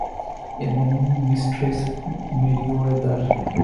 এবং mistress Merriweather.